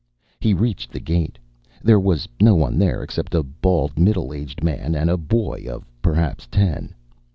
He reached the gate. There was no one there except a bald, middle aged man and a boy of perhaps ten.